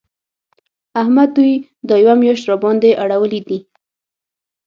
احمد دوی دا یوه مياشت راباندې اړولي دي.